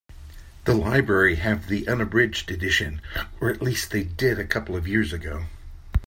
The library have the unabridged edition, or at least they did a couple of years ago.